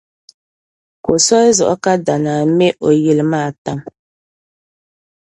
Ko soli zuɣu ka Danaah mɛ o yili maa tam.